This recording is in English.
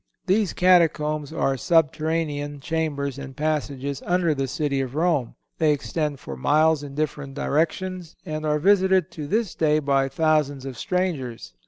These catacombs are subterranean chambers and passages under the city of Rome. They extend for miles in different directions, and are visited to this day by thousands of strangers.